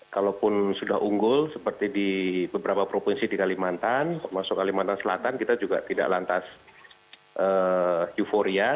kalaupun sudah unggul seperti di beberapa provinsi di kalimantan termasuk kalimantan selatan kita juga tidak lantas euforia